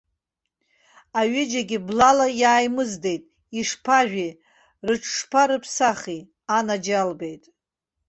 Аҩыџьагьы блала иааимыздеит, ишԥажәи, рыҽшԥарыԥсахи, анаџьалбеит!